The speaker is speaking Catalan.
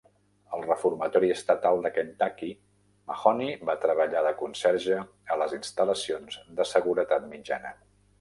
Al Reformatori Estatal de Kentucky, Mahoney va treballar de conserge a les instal·lacions de seguretat mitjana.